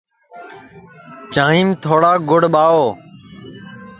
چانٚھیم تھوڑا گُڑ ٻاہوَ